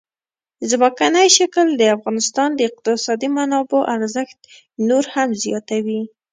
ځمکنی شکل د افغانستان د اقتصادي منابعو ارزښت نور هم زیاتوي.